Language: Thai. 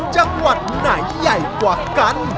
จังหวัดไหนใหญ่กว่ากัน